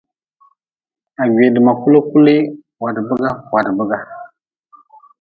Ha gweedma kulkuli wadbiga wadbiga.